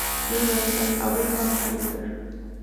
Tiene una hija, Abril Mac Allister.